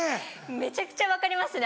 めちゃくちゃ分かりますね